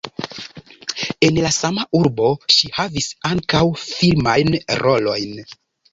En la sama urbo ŝi havis ankaŭ filmajn rolojn.